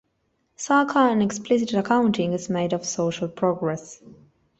Sarkar an explicit accounting is made of social progress.